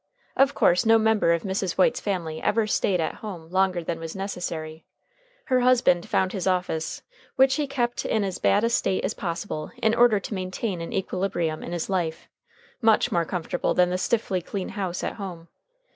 Of course no member of Mrs. White's family ever stayed at home longer than was necessary. Her husband found his office which he kept in as bad a state as possible in order to maintain an equilibrium in his life much more comfortable than the stiffly clean house at home.